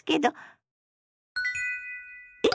えっ！